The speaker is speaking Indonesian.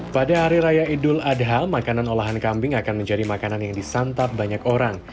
pada hari raya idul adha makanan olahan kambing akan menjadi makanan yang disantap banyak orang